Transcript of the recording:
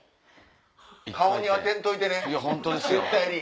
顔に当てんといてね絶対に。